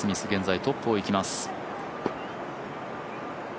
現在トップをいきます。